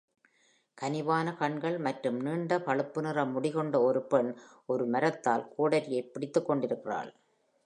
கனிவான கண்கள் மற்றும் நீண்ட பழுப்பு நிற முடி கொண்ட ஒரு பெண் ஒரு மரத்தால் கோடரியைப் பிடித்துக் கொண்டிருக்கிறாள்.